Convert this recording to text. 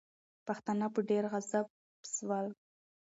پښتانه په ډېر عذاب سول.